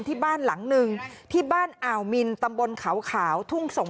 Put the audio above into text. เฮ่ยเล่นเล่นเล่น